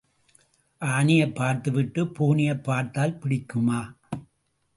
ஆனையைப் பார்த்துவிட்டுப் பூனையைப் பார்த்தால் பிடிக்குமா?